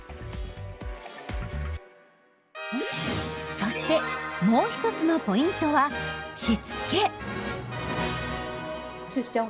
そしてもう一つのポイントはしつけ。